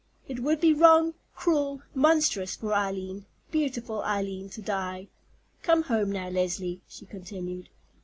It would be wrong, cruel, monstrous for Eileen, beautiful Eileen, to die. Come home now, Leslie," she continued.